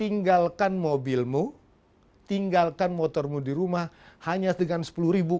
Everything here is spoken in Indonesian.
tinggalkan mobilmu tinggalkan motormu di rumah hanya dengan sepuluh ribu